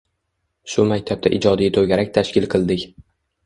Shu maktabda ijodiy toʻgarak tashkil qildik.